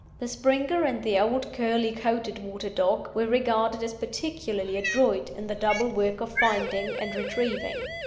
The Springer and the old curly coated water dog were regarded as particularly adroit in the double work of finding and retrieving.